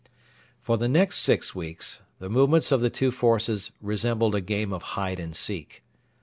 For the next six weeks the movements of the two forces resembled a game of hide and seek.